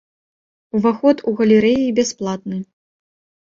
Уваход у галерэі бясплатны.